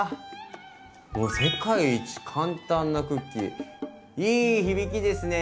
もう「世界一簡単なクッキー」いい響きですね。